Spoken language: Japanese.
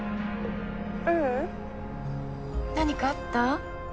ううん。何かあった？